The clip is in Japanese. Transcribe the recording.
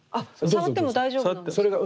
触っても大丈夫なんですか。